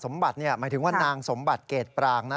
สมบัติเนี่ยหมายถึงว่านางสมบัติเกรดปรางนะ